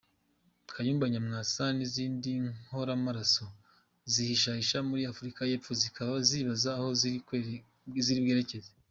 Kayumba Nyamwasa nizindi nkoramaraso zihishahisha muri Afrika y’Epfo zikaba zibaza aho ziri bwerekeze.